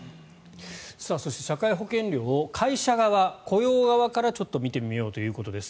そして社会保険料を会社側、雇用側からちょっと見てみようということです。